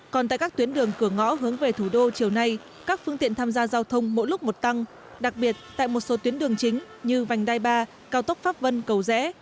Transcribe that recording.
còn tại các tuyến đường cửa ngõ hướng về thủ đô chiều nay các phương tiện tham gia giao thông mỗi lúc một tăng đặc biệt tại một số tuyến đường chính như vành đai ba cao tốc pháp vân cầu rẽ